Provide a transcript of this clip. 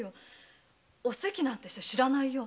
「おせき」なんて人は知らないよ。